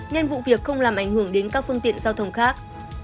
nên vụ việc không làm ảnh hưởng đến các phương tiện giao thông khác